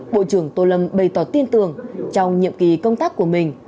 bộ trưởng tô lâm bày tỏ tin tưởng trong nhiệm kỳ công tác của mình